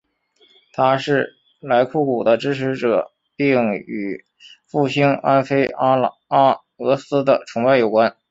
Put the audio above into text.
他是莱库古的支持者并与复兴安菲阿拉俄斯的崇拜有关。